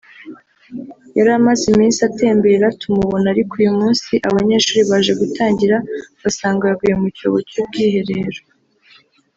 yari amaze iminsi atembera tumubona ariko uyu munsi abanyeshuri baje gutangira basanga yaguye mu cyobo cy’ubwiherero